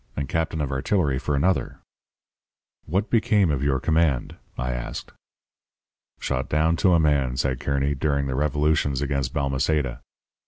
And captain of artillery for another.' "'What became of your command?' I asked. "'Shot down to a man,' said Kearny, 'during the revolutions against Balmaceda.'